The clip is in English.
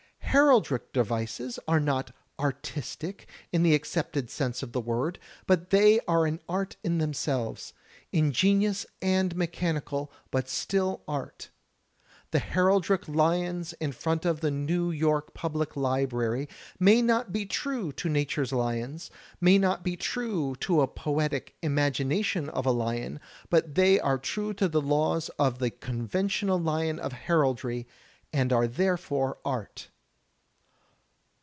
Heraldic devices are not "artistic" in the accepted sense of the word, but they are an art in themselves; ingenious and mechanical, but still art. The Heraldic lions in front of the New York Public Library may not be true to nature's lions, may not be true to a poetic imagination of a lion, but they are true to the laws of the conventional lion of heraldry, and are therefore art.